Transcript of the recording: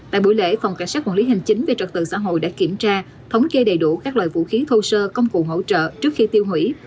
tại buổi lễ phòng cảnh sát quản lý hành chính về trật tự xã hội đã kiểm tra thống kê đầy đủ các loại vũ khí thô sơ công cụ hỗ trợ trước khi tiêu hủy